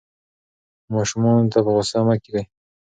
ماشومانو ته په غوسه مه کېږئ.